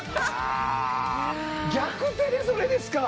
逆手でそれですか。